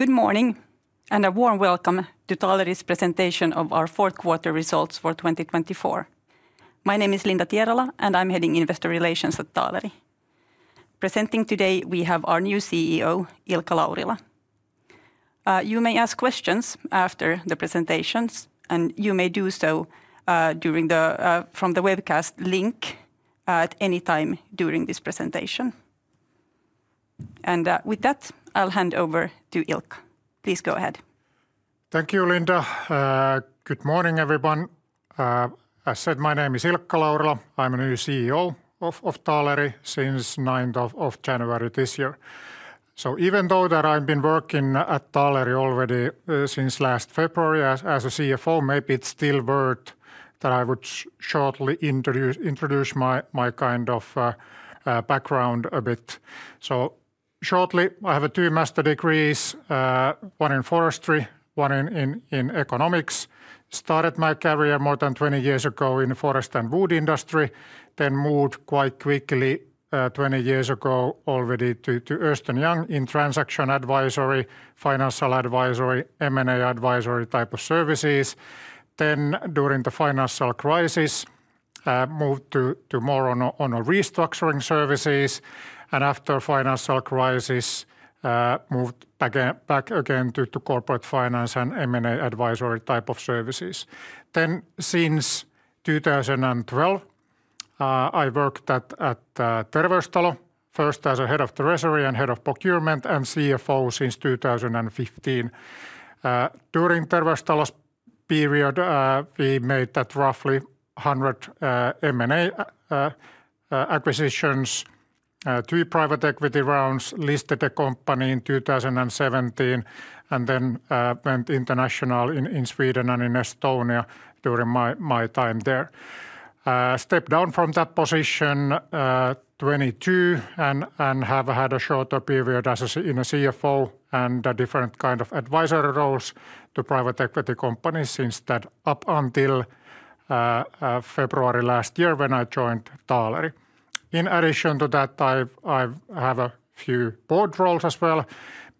Good morning and a warm welcome to Taaleri's presentation of our fourth quarter results for 2024. My name is Linda Tierala and I'm heading investor relations at Taaleri. Presenting today, we have our new CEO, Ilkka Laurila. You may ask questions after the presentations, and you may do so from the webcast link at any time during this presentation. With that, I'll hand over to Ilkka. Please go ahead. Thank you, Linda. Good morning, everyone. As I said, my name is Ilkka Laurila. I'm a new CEO of Taaleri since 9th of January this year. Even though I've been working at Taaleri already since last February as a CFO, maybe it's still worth that I would shortly introduce my kind of background a bit. Shortly, I have two master's degrees, one in forestry, one in economics. Started my career more than 20 years ago in the forest and wood industry. Then moved quite quickly, 20 years ago, already to Ernst & Young in transaction advisory, financial advisory, M&A advisory type of services. During the financial crisis, moved to more on restructuring services. After the financial crisis, moved back again to corporate finance and M&A advisory type of services. Since 2012, I worked at Terveystalo, first as Head of Treasury and Head of Procurement and CFO since 2015. During Terveystalo's period, we made roughly 100 M&A acquisitions, two private equity rounds, listed a company in 2017, and then went international in Sweden and in Estonia during my time there. Stepped down from that position in 2022 and have had a shorter period as a CFO and different kinds of advisory roles to private equity companies since that up until February last year when I joined Taaleri. In addition to that, I have a few board roles as well.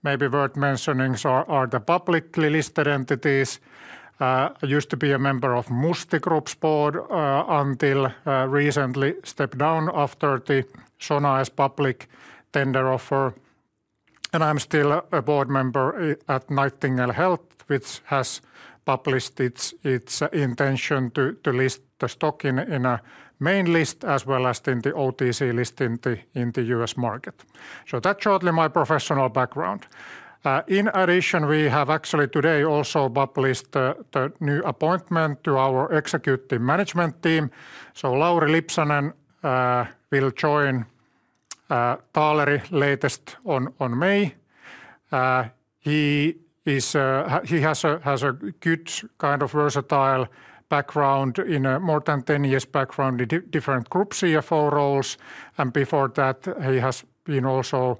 Maybe worth mentioning are the publicly listed entities. I used to be a member of Musti Group's board until recently stepped down after the Sonae's public tender offer. I'm still a board member at Nightingale Health, which has published its intention to list the stock in a main list as well as in the OTC list in the US market. That's shortly my professional background. In addition, we have actually today also published the new appointment to our executive management team. Lauri Lipsanen will join Taaleri latest on May. He has a good kind of versatile background in a more than 10 years background in different group CFO roles. Before that, he has been also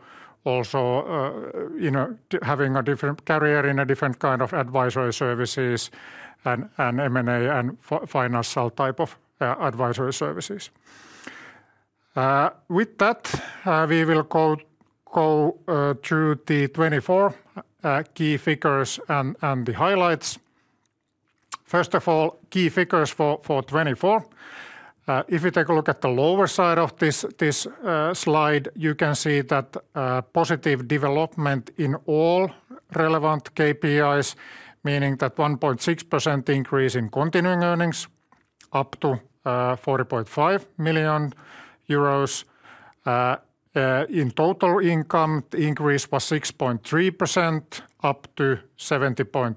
having a different career in a different kind of advisory services and M&A and financial type of advisory services. With that, we will go through the 2024 key figures and the highlights. First of all, key figures for 2024. If you take a look at the lower side of this slide, you can see that positive development in all relevant KPIs, meaning that 1.6% increase in continuing earnings up to 4.5 million euros. In total income, the increase was 6.3% up to 70.5 million.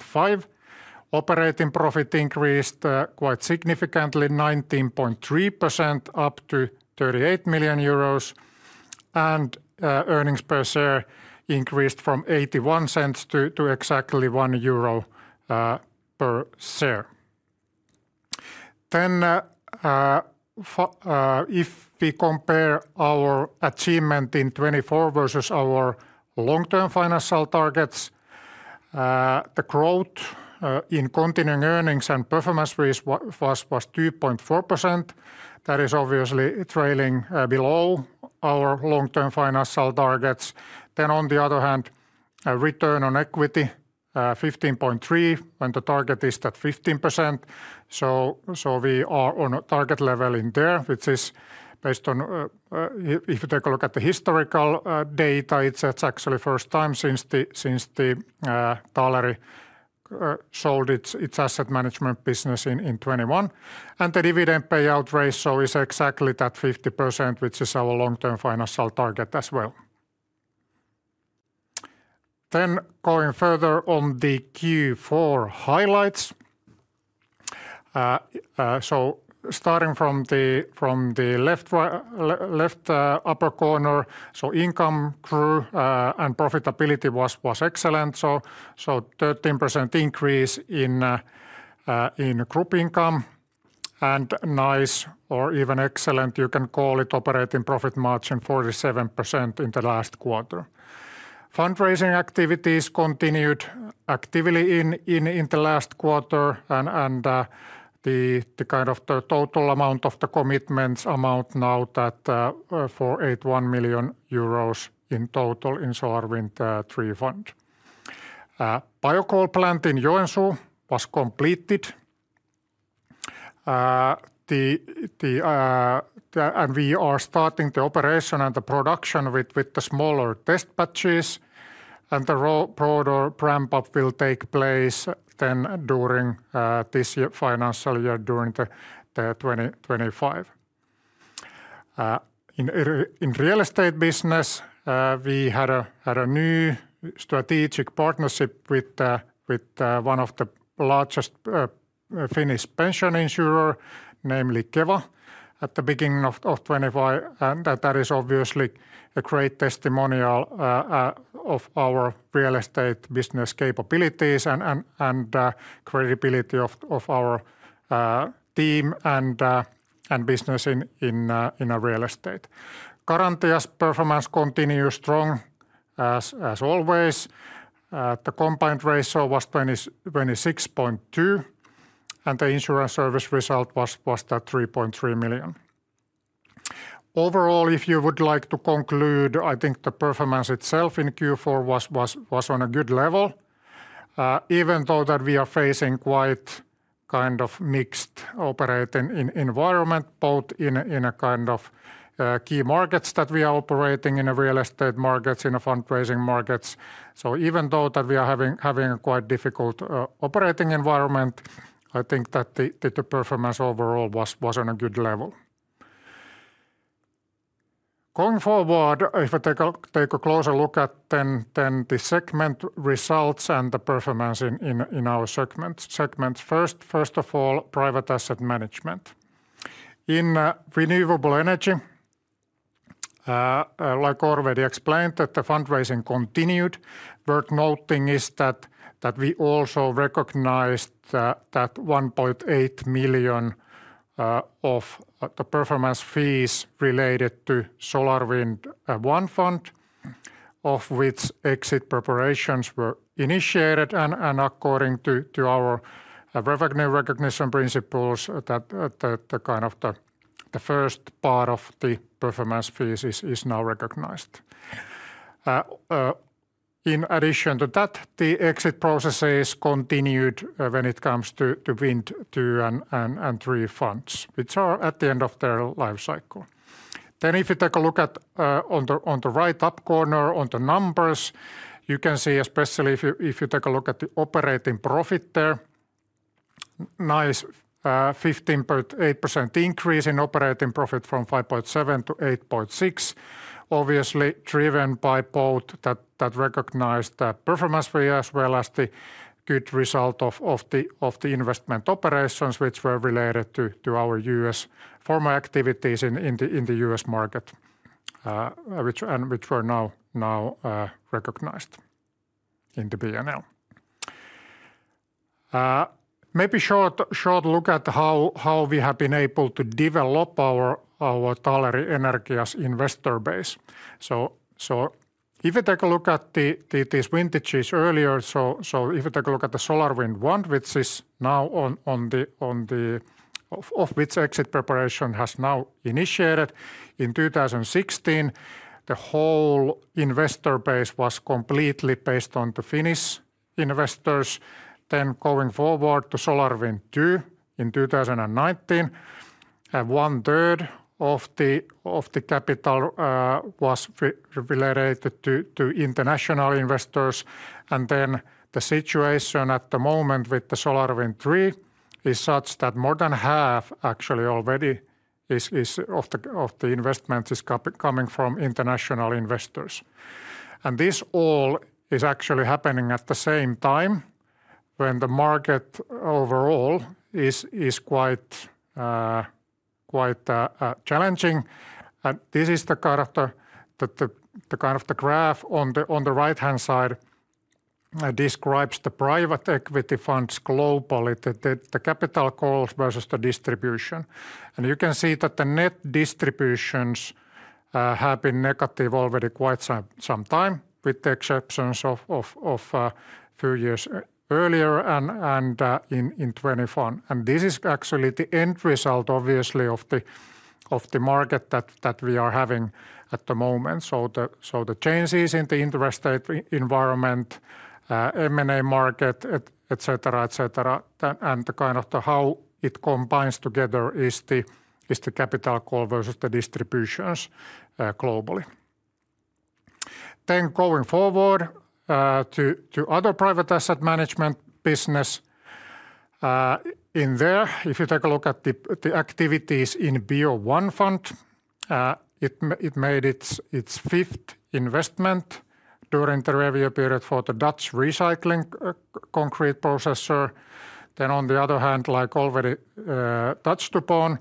Operating profit increased quite significantly, 19.3% up to 38 million euros. Earnings per share increased from 0.81 to exactly 1.00 euro per share. If we compare our achievement in 2024 versus our long-term financial targets, the growth in continuing earnings and performance was 2.4%. That is obviously trailing below our long-term financial targets. On the other hand, return on equity 15.3% when the target is that 15%. We are on a target level in there, which is based on if you take a look at the historical data, it's actually the first time since Taaleri sold its asset management business in 2021. The dividend payout ratio is exactly that 50%, which is our long-term financial target as well. Going further on the Q4 highlights, starting from the left upper corner, income growth and profitability was excellent. There was a 13% increase in group income and a nice or even excellent, you can call it, operating profit margin of 47% in the last quarter. Fundraising activities continued actively in the last quarter and the total amount of the commitments amounts now to 81 million euros in total in the SolarWind 3 fund. The BioCoal plant in Joensuu was completed, and we are starting the operation and the production with the smaller test batches. The broader ramp-up will take place during this financial year during 2025. In real estate business, we had a new strategic partnership with one of the largest Finnish pension insurers, namely Keva, at the beginning of 2025. That is obviously a great testimonial of our real estate business capabilities and credibility of our team and business in real estate. Garantia's performance continues strong as always. The combined ratio was 26.2. The insurance service result was 3.3 million. Overall, if you would like to conclude, I think the performance itself in Q4 was on a good level. Even though we are facing quite kind of mixed operating environment, both in kind of key markets that we are operating in, real estate markets, in fundraising markets. Even though we are having a quite difficult operating environment, I think that the performance overall was on a good level. Going forward, if I take a closer look at the segment results and the performance in our segments. First of all, private asset management. In renewable energy, like already explained, the fundraising continued. Worth noting is that we also recognized 1.8 million of the performance fees related to SolarWind 1 fund, of which exit preparations were initiated. According to our recognition principles, the first part of the performance fees is now recognized. In addition to that, the exit processes continued when it comes to Wind 2 and 3 funds, which are at the end of their life cycle. If you take a look at the right up corner on the numbers, you can see especially if you take a look at the operating profit there, nice 15.8% increase in operating profit from 5.7 million to 8.6 million, obviously driven by both that recognized the performance fee as well as the good result of the investment operations, which were related to our US former activities in the US market, which were now recognized in the PL. Maybe short look at how we have been able to develop our Taaleri Energia's investor base. If you take a look at these vintages earlier, if you take a look at the SolarWind 1, which is now on the of which exit preparation has now initiated in 2016, the whole investor base was completely based on the Finnish investors. Going forward to SolarWind 2 in 2019, one third of the capital was related to international investors. The situation at the moment with SolarWind 3 is such that more than half actually already of the investments is coming from international investors. This all is actually happening at the same time when the market overall is quite challenging. The graph on the right-hand side describes the private equity funds globally, the capital calls versus the distribution. You can see that the net distributions have been negative already quite some time, with the exceptions of a few years earlier and in 2021. This is actually the end result, obviously, of the market that we are having at the moment. The changes in the interest rate environment, M&A market, etc., etc. The kind of how it combines together is the capital call versus the distributions globally. Going forward to other private asset management business, in there, if you take a look at the activities in BioOne fund, it made its fifth investment during the review period for the Dutch recycling concrete processor. On the other hand, like already touched upon,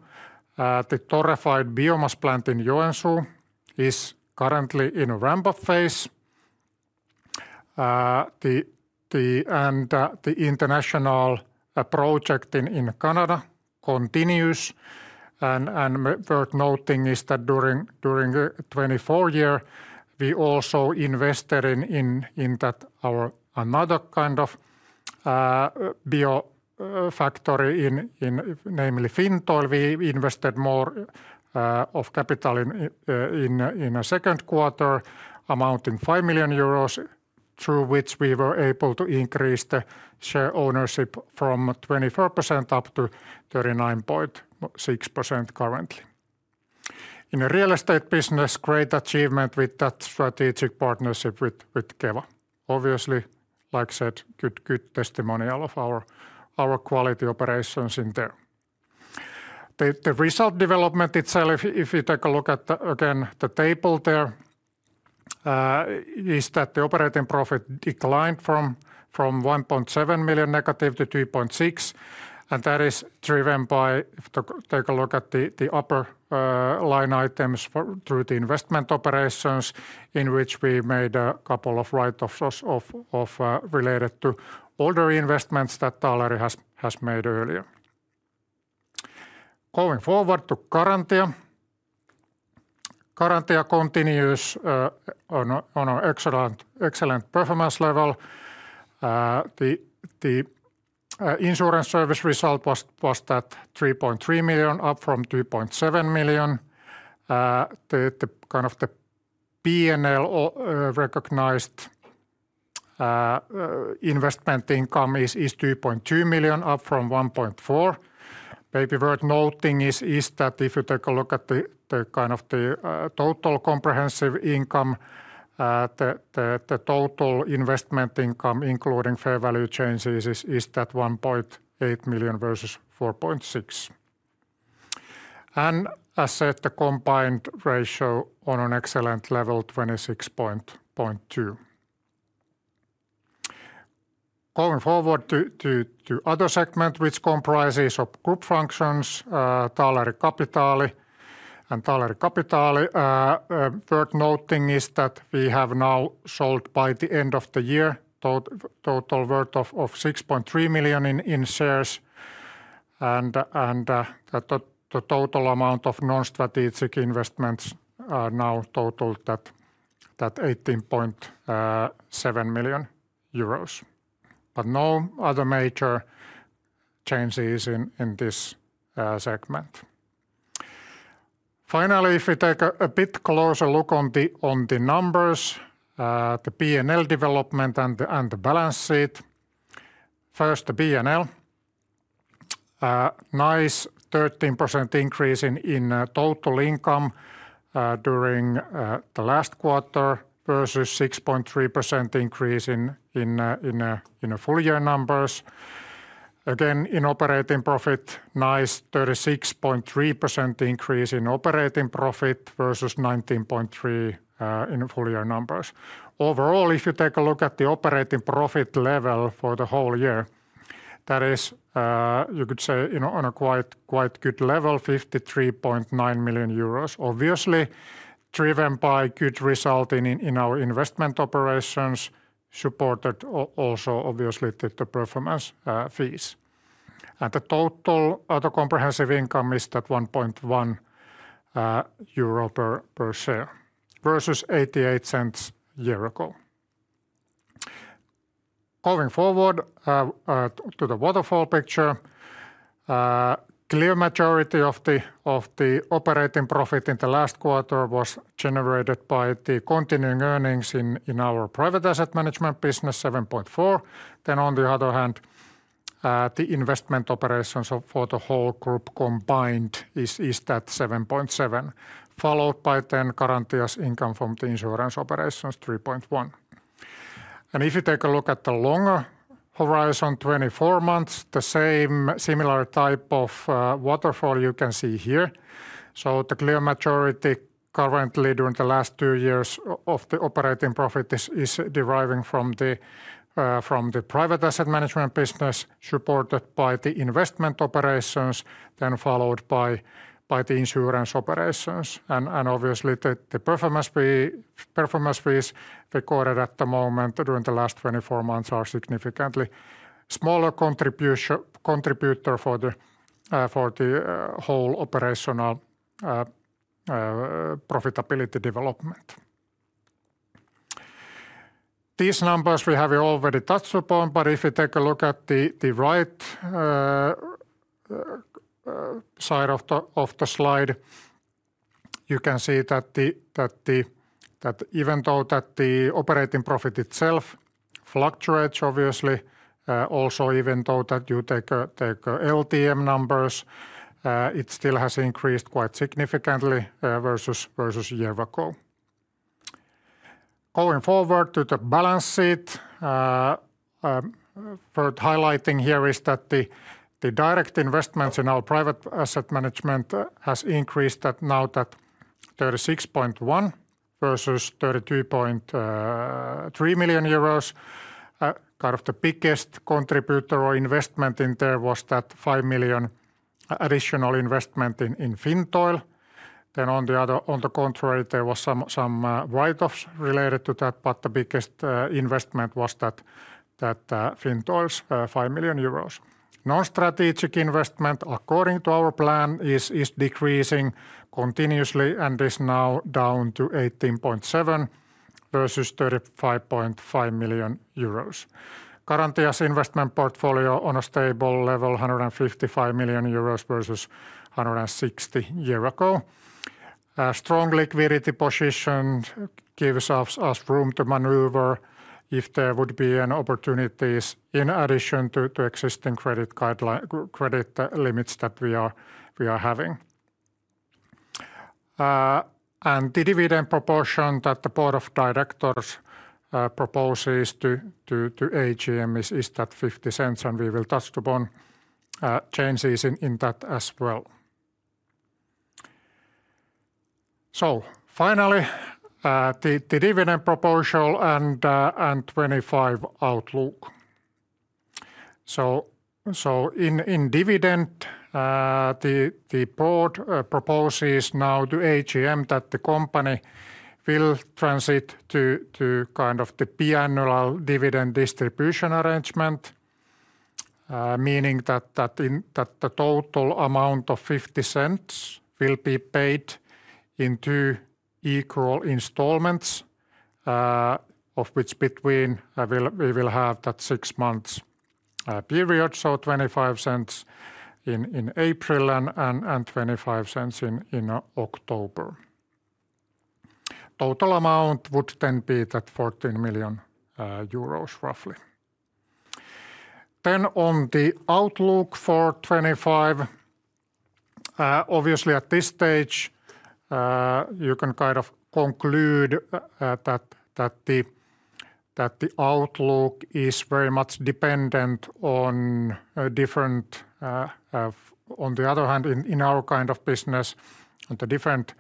the Torrefied Biomass plant in Joensuu is currently in a ramp-up phase. The international project in Canada continues. Worth noting is that during the 2024 year, we also invested in our another kind of biofactory, namely Fintoil. We invested more capital in the second quarter, amounting to 5 million euros, through which we were able to increase the share ownership from 24% up to 39.6% currently. In the real estate business, great achievement with that strategic partnership with Keva. Obviously, like I said, good testimonial of our quality operations in there. The result development itself, if you take a look at again the table there, is that the operating profit declined from 1.7 million negative to 2.6 million. That is driven by, if you take a look at the upper line items through the investment operations, in which we made a couple of write-offs related to older investments that Taaleri has made earlier. Going forward to Garantia. Garantia continues on an excellent performance level. The insurance service result was at 3.3 million up from 2.7 million. The kind of the PNL recognized investment income is 2.2 million up from 1.4 million. Maybe worth noting is that if you take a look at the kind of the total comprehensive income, the total investment income including fair value changes is at 1.8 million versus 4.6 million. As said, the combined ratio on an excellent level, 26.2. Going forward to other segment, which comprises of group functions, Taaleri Capital. Taaleri Capital, worth noting is that we have now sold by the end of the year total worth of 6.3 million in shares. The total amount of non-strategic investments now totaled 18.7 million euros. No other major changes in this segment. Finally, if we take a bit closer look on the numbers, the PNL development and the balance sheet. First, the PNL. Nice 13% increase in total income during the last quarter versus 6.3% increase in full year numbers. Again, in operating profit, nice 36.3% increase in operating profit versus 19.3% in full year numbers. Overall, if you take a look at the operating profit level for the whole year, that is, you could say, on a quite good level, 53.9 million euros. Obviously, driven by good result in our investment operations, supported also obviously the performance fees. The total other comprehensive income is at 1.1 euro per share versus 0.88 a year ago. Going forward to the waterfall picture, clear majority of the operating profit in the last quarter was generated by the continuing earnings in our private asset management business, 7.4. On the other hand, the investment operations for the whole group combined is at 7.7, followed by Garantia's income from the insurance operations, 3.1. If you take a look at the longer horizon, 24 months, the same similar type of waterfall you can see here. The clear majority currently during the last two years of the operating profit is deriving from the private asset management business, supported by the investment operations, then followed by the insurance operations. Obviously, the performance fees recorded at the moment during the last 24 months are a significantly smaller contributor for the whole operational profitability development. These numbers we have already touched upon, but if you take a look at the right side of the slide, you can see that even though the operating profit itself fluctuates, obviously, also even though you take LTM numbers, it still has increased quite significantly versus a year ago. Going forward to the balance sheet, worth highlighting here is that the direct investments in our private asset management has increased now to 36.1 million euros versus 32.3 million euros. Kind of the biggest contributor or investment in there was that 5 million additional investment in Fintoil. On the contrary, there were some write-offs related to that, but the biggest investment was that Fintoil's 5 million euros. Non-strategic investment, according to our plan, is decreasing continuously and is now down to 18.7 million versus 35.5 million euros. Garantia's investment portfolio on a stable level, 155 million euros versus 160 million a year ago. Strong liquidity position gives us room to maneuver if there would be an opportunity in addition to existing credit limits that we are having. The dividend proportion that the board of directors proposes to the AGM is 0.50, and we will touch upon changes in that as well. Finally, the dividend proposal and 2025 outlook. In dividend, the board proposes now to the AGM that the company will transit to kind of the biannual dividend distribution arrangement, meaning that the total amount of 0.50 will be paid in two equal installments, of which between we will have that six months period, so 0.25 in April and 0.25 in October. Total amount would then be that 14 million euros roughly. On the outlook for 2025, obviously at this stage, you can kind of conclude that the outlook is very much dependent on different, on the other hand, in our kind of business, on the different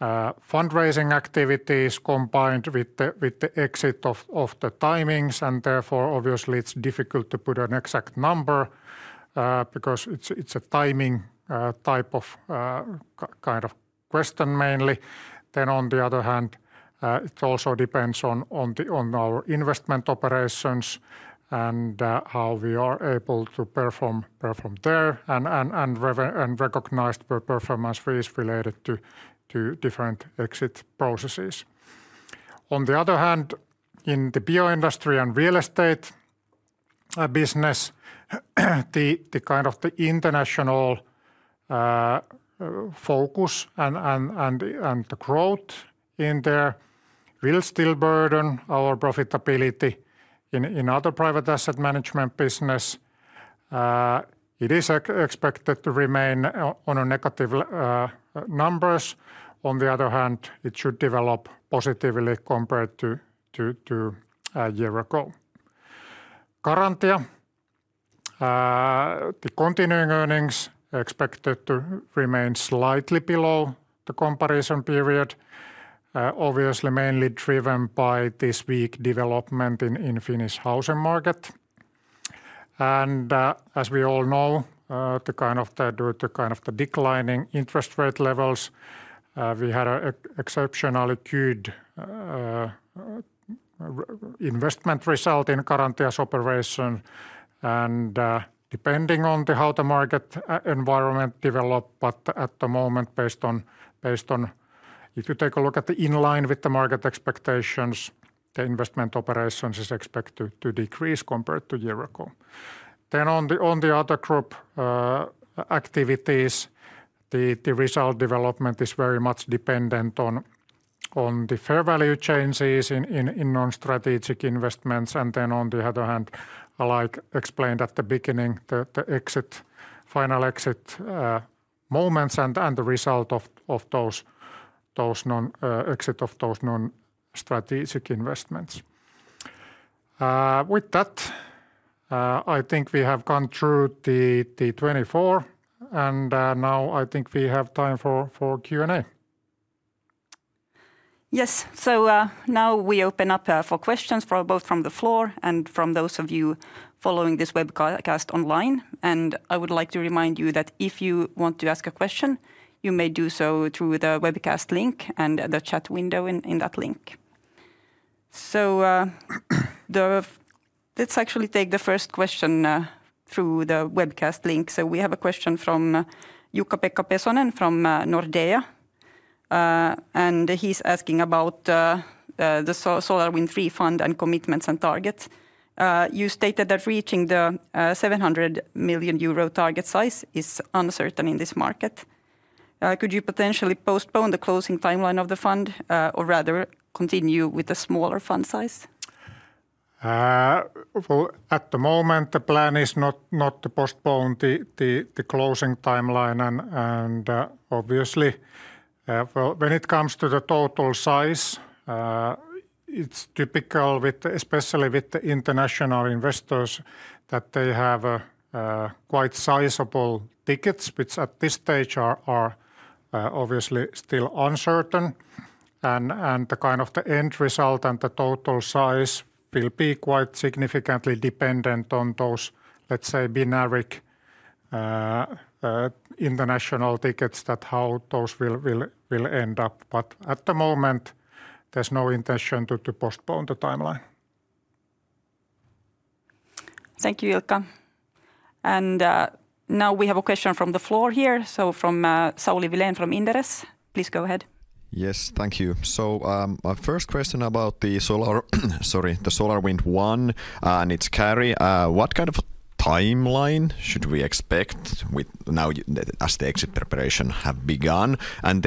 fundraising activities combined with the exit of the timings. Therefore, obviously, it's difficult to put an exact number because it's a timing type of kind of question mainly. On the other hand, it also depends on our investment operations and how we are able to perform there. Recognized performance fees related to different exit processes. On the other hand, in the bioindustry and real estate business, the kind of the international focus and the growth in there will still burden our profitability in other private asset management business. It is expected to remain on a negative numbers. On the other hand, it should develop positively compared to a year ago. Garantia, the continuing earnings expected to remain slightly below the comparison period, obviously mainly driven by this weak development in Finnish housing market. As we all know, the kind of the declining interest rate levels, we had an exceptionally good investment result in Garantia's operation. Depending on how the market environment developed, but at the moment, based on, if you take a look at the inline with the market expectations, the investment operations is expected to decrease compared to a year ago. On the other group activities, the result development is very much dependent on the fair value changes in non-strategic investments. On the other hand, like explained at the beginning, the final exit moments and the result of those non-strategic investments. With that, I think we have gone through the 2024. I think we have time for Q&A. Yes. Now we open up for questions from both from the floor and from those of you following this webcast online. I would like to remind you that if you want to ask a question, you may do so through the webcast link and the chat window in that link. Let's actually take the first question through the webcast link. We have a question from Jukka-Pekka Pesonen from Nordea. He's asking about the SolarWind fund and commitments and targets. You stated that reaching the 700 million euro target size is uncertain in this market. Could you potentially postpone the closing timeline of the fund or rather continue with a smaller fund size? At the moment, the plan is not to postpone the closing timeline. Obviously, when it comes to the total size, it's typical, especially with the international investors, that they have quite sizable tickets, which at this stage are obviously still uncertain. The kind of the end result and the total size will be quite significantly dependent on those, let's say, binary international tickets, that how those will end up. At the moment, there's no intention to postpone the timeline. Thank you, Jukka. Now we have a question from the floor here. From Sauli Vilén from Inderes. Please go ahead. Yes, thank you. My first question about the SolarWind One and its carry, what kind of timeline should we expect now as the exit preparation has begun?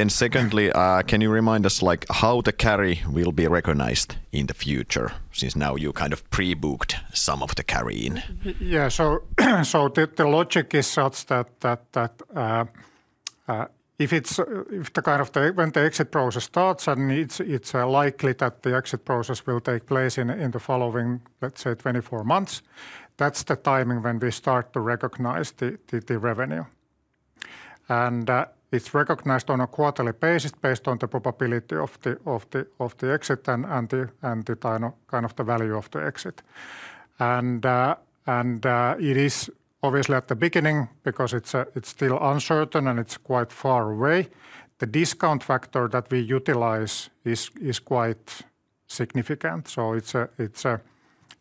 Secondly, can you remind us how the carry will be recognized in the future since now you kind of pre-booked some of the carry in? Yeah, the logic is such that if the kind of when the exit process starts and it's likely that the exit process will take place in the following, let's say, 24 months, that's the timing when we start to recognize the revenue. It's recognized on a quarterly basis based on the probability of the exit and the kind of the value of the exit. It is obviously at the beginning because it's still uncertain and it's quite far away. The discount factor that we utilize is quite significant.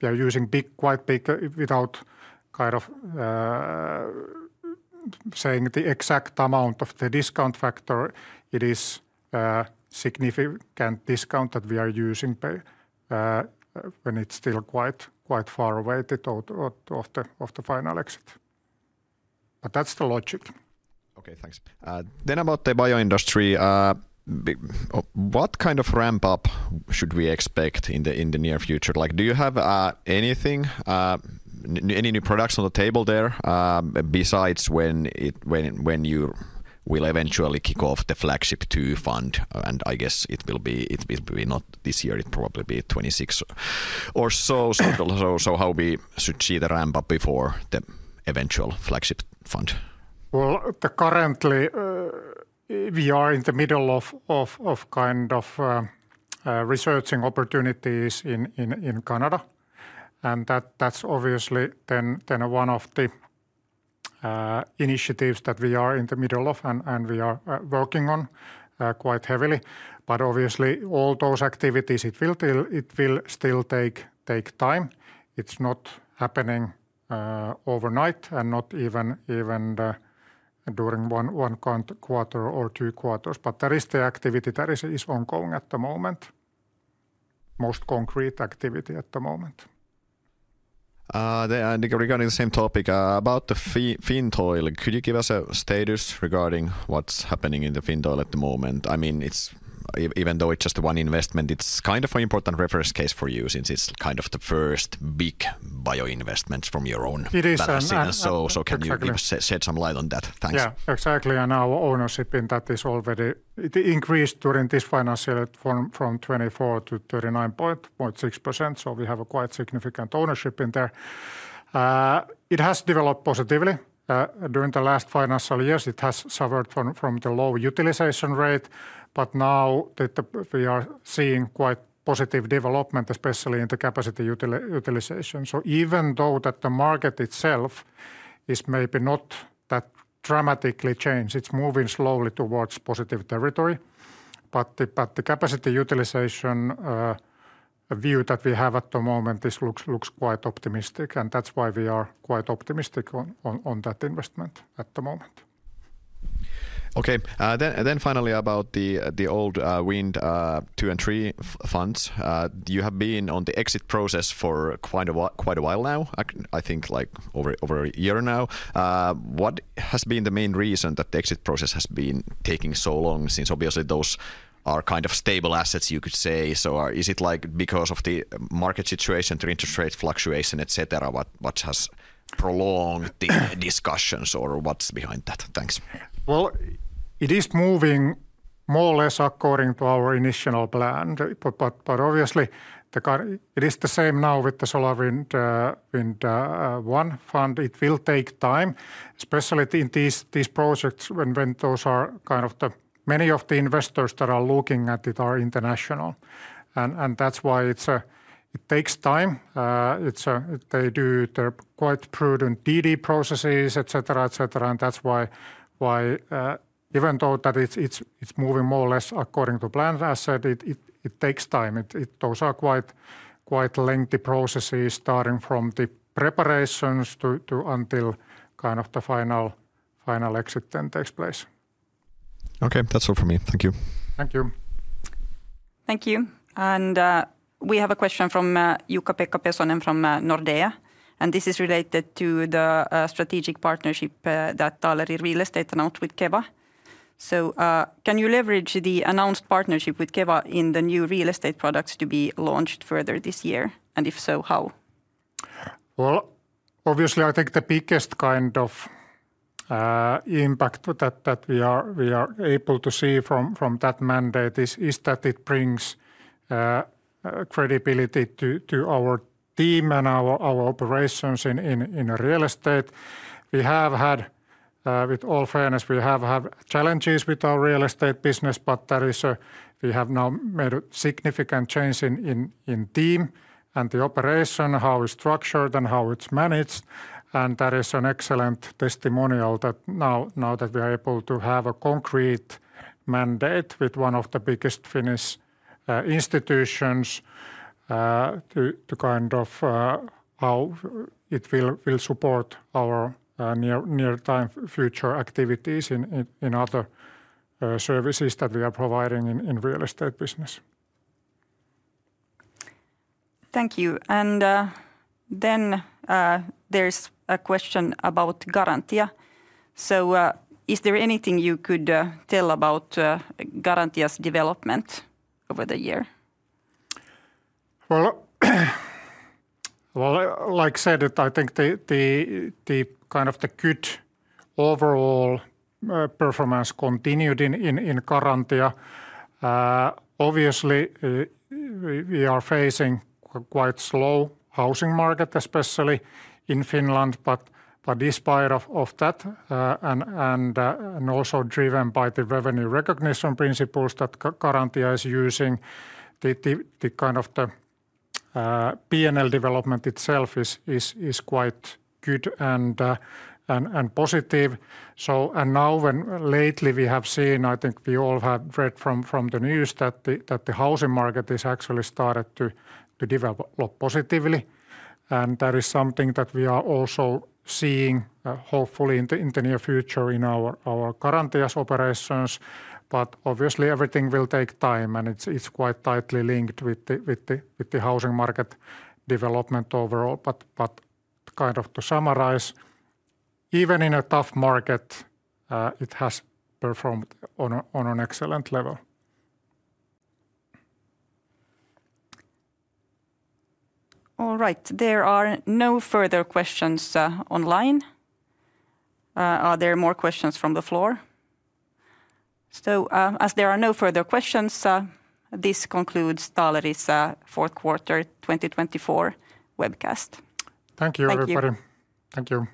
We are using quite big, without kind of saying the exact amount of the discount factor. It is a significant discount that we are using when it's still quite far away of the final exit. That's the logic. Okay, thanks. Then about the bioindustry, what kind of ramp-up should we expect in the near future? Do you have anything, any new products on the table there besides when you will eventually kick off the flagship two fund? I guess it will be not this year, it will probably be 2026 or so. How should we see the ramp-up before the eventual flagship fund? Currently, we are in the middle of kind of researching opportunities in Canada. That is obviously then one of the initiatives that we are in the middle of and we are working on quite heavily. Obviously all those activities, it will still take time. It is not happening overnight and not even during one quarter or two quarters. There is the activity that is ongoing at the moment, most concrete activity at the moment. Regarding the same topic about the Fintoil, could you give us a status regarding what is happening in the Fintoil at the moment? I mean, even though it's just one investment, it's kind of an important reference case for you since it's kind of the first big bioinvestments from your own business. So can you shed some light on that? Thanks. Yeah, exactly. And our ownership in that is already increased during this financial year from 24% to 39.6%. So we have a quite significant ownership in there. It has developed positively. During the last financial years, it has suffered from the low utilization rate. Now we are seeing quite positive development, especially in the capacity utilization. Even though the market itself is maybe not that dramatically changed, it's moving slowly towards positive territory. The capacity utilization view that we have at the moment looks quite optimistic. That's why we are quite optimistic on that investment at the moment. Okay. Finally, about the old Wind 2 and 3 funds. You have been on the exit process for quite a while now, I think like over a year now. What has been the main reason that the exit process has been taking so long since obviously those are kind of stable assets, you could say? Is it like because of the market situation, the interest rate fluctuation, etc.? What has prolonged the discussions or what's behind that? Thanks. Well. It is moving more or less according to our initial plan. Obviously, it is the same now with the SolarWind 1 fund. It will take time, especially in these projects when those are kind of the many of the investors that are looking at it are international. That is why it takes time. They do their quite prudent DD processes, etc. That's why even though it's moving more or less according to plan, I said it takes time. Those are quite lengthy processes starting from the preparations until kind of the final exit then takes place. Okay, that's all for me. Thank you. Thank you. Thank you. We have a question from Jukka-Pekka Pesonen from Nordea. This is related to the strategic partnership that Taaleri Real Estate announced with Keva. Can you leverage the announced partnership with Keva in the new real estate products to be launched further this year? If so, how? Obviously, I think the biggest kind of impact that we are able to see from that mandate is that it brings credibility to our team and our operations in real estate. We have had, with all fairness, we have had challenges with our real estate business, but we have now made a significant change in team and the operation, how it's structured and how it's managed. That is an excellent testimonial that now that we are able to have a concrete mandate with one of the biggest Finnish institutions to kind of how it will support our near-time future activities in other services that we are providing in real estate business. Thank you. There is a question about Garantia. Is there anything you could tell about Garantia's development over the year? Like I said, I think the kind of the good overall performance continued in Garantia. Obviously, we are facing quite slow housing market, especially in Finland. Despite that, and also driven by the revenue recognition principles that Garantia is using, the kind of the P&L development itself is quite good and positive. Now when lately we have seen, I think we all have read from the news that the housing market is actually started to develop positively. That is something that we are also seeing, hopefully in the near future in our Garantia's operations. Obviously everything will take time and it is quite tightly linked with the housing market development overall. Kind of to summarize, even in a tough market, it has performed on an excellent level. All right. There are no further questions online. Are there more questions from the floor? As there are no further questions, this concludes Taaleri's fourth quarter 2024 webcast. Thank you, everybody. Thank you.